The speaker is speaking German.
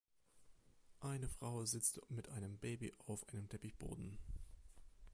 Eine Frau sitzt mit einem Baby auf einem Teppichboden.